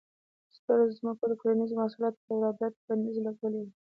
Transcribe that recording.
سترو ځمکوالو د کرنیزو محصولاتو پر وارداتو بندیز لګولی و.